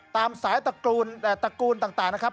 ตามสายตระกูลต่างนะครับ